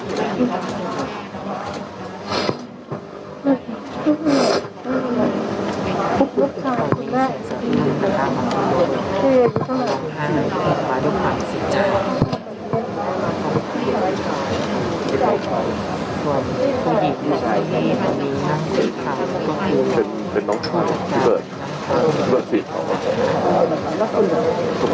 สวัสดีครับ